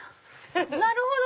なるほど！